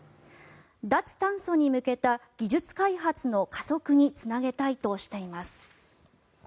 脱炭素に向けた技術開発の加速につなげたいとしています。